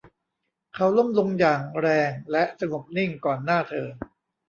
เขาล้มลงอย่างแรงและสงบนิ่งก่อนหน้าเธอ